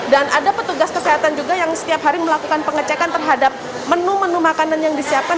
dan ada petugas kesehatan juga yang setiap hari melakukan pengecekan terhadap menu menu makanan yang disiapkan